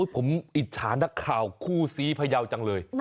ผมอิจฉานักข่าวคู่ซีพยาวจังเลย